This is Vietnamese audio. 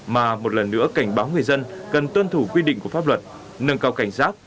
mà một lần nữa cảnh báo người dân cần tuân thủ quy định của pháp luật nâng cao cảnh giác